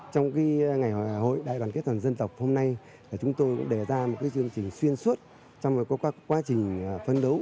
trong ngày hội đại đoàn kết toàn dân tộc hôm nay chúng tôi cũng đề ra một chương trình xuyên suốt trong các quá trình phấn đấu